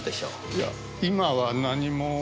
いや今は何も。